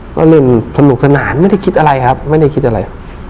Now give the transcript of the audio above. ก็เริ่มสนุกสนานไม่ได้คิดอะไรครับไม่ได้คิดอะไร